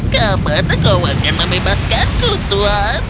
kapan kau akan membebaskanku tuhan